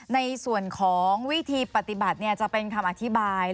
ในส่วนของวิธีปฏิบัติจะเป็นคำอธิบาย